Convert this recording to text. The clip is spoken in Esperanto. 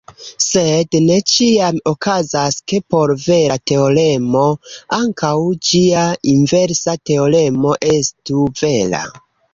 Sed ne ĉiam okazas, ke por vera teoremo ankaŭ ĝia inversa teoremo estu vera.